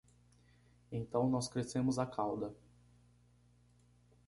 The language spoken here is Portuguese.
Então nós crescemos a cauda